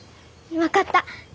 分かった。